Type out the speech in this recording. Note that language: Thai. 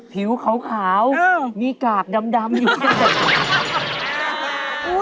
ผิวเขามีกาบดำอยู่